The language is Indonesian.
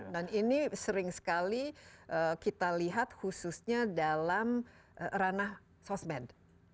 dan ini sering sekali kita lihat khususnya dalam ranah sosmed